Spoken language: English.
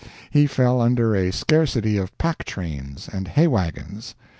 He fell under a scarcity of pack trains and hay wagons.